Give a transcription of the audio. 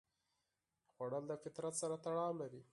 خوړل د فطرت سره تړاو لري